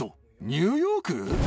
ニューヨーク？